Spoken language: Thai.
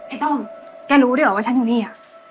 ไอ้ต้มแกรู้ด้วยเหรอว่าฉันอยู่นี่